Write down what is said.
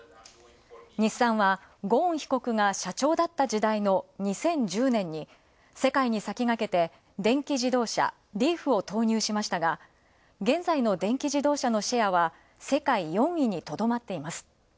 日産は、ゴーン被告が社長だった時代の２０１０年に世界に先駆けて電気自動車、リーフを投入しましたが、現在の電気自動車のシェアは世界４位にとどまっています。